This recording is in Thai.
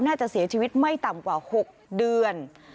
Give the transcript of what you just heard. น่าจะเสียชีวิตไม่ต่ำกว่า๖เดือน